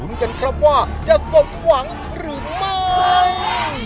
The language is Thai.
ทรงโลกบาทเรารู้มันจะสมหวังหรือไม่